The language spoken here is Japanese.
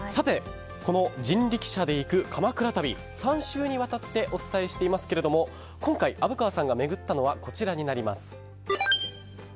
この人力車で行く鎌倉旅３週にわたってお伝えしていますが今回、虻川さんが巡ったのはこちらになります。